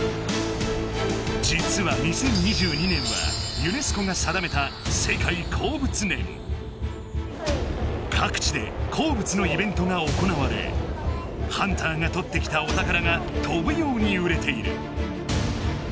じつは２０２２年はユネスコがさだめた各地で鉱物のイベントがおこなわれハンターが採ってきたお宝がとぶように売れている。